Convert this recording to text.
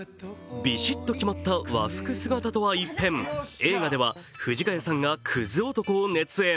ビシッと決まった和服姿とは一変、映画では藤ヶ谷さんがクズ男を熱演。